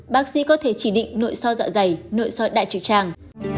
bác sĩ có thể chỉ định nội so dạ dày nội so đại trực trang